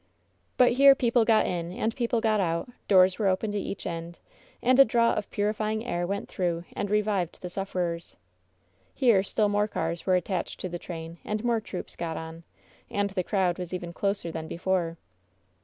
But here people got in and people got out, doors were opened at each end, and a draught of purifying air went through and revived the sufferers. Here still more cars were attached to the train, and more troops got on, and the crowd was even closer than before.